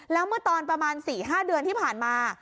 แล้วเมื่อตอนประมาณ๔๕เดือนที่ผ่านมา